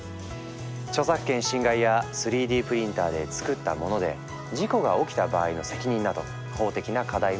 著作権侵害や３Ｄプリンターでつくったモノで事故が起きた場合の責任など法的な課題もある。